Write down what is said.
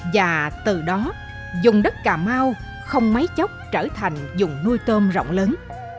và từ đó dùng đất cà mau không máy chóc trở thành dùng nuôi tôm rộng lớn